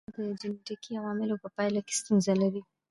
یا د جنېټیکي عواملو په پایله کې ستونزه لري.